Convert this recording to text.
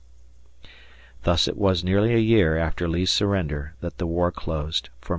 Thus it was nearly a year after Lee's surrender that the war closed for Mosby.